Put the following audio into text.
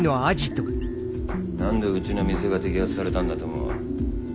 何でうちの店が摘発されたんだと思う？